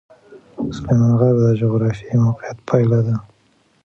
سلیمان غر د جغرافیایي موقیعت پایله ده.